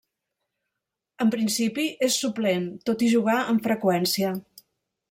En principi és suplent, tot i jugar amb freqüència.